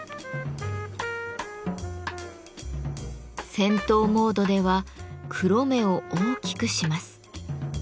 戦闘モードでは黒目を大きくします。